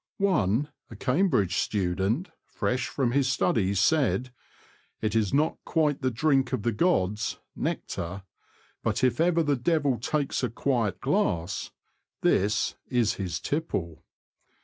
One_, a Cambridge student, fresh from his studies, said: "It is not quite the drink of the gods — nectar; but if ever the devil takes a quiet glass, this is his tipple